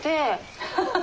ハハハハ。